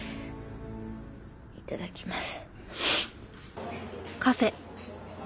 いただきます。